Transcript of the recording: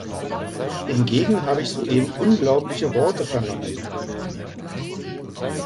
Hingegen habe ich soeben unglaublich Worte vernommen.